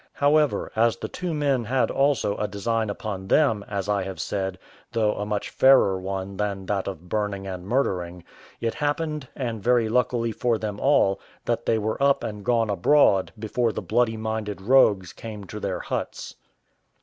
However, as the two men had also a design upon them, as I have said, though a much fairer one than that of burning and murdering, it happened, and very luckily for them all, that they were up and gone abroad before the bloody minded rogues came to their huts.